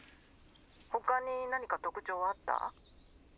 ☎ほかに何か特徴はあった？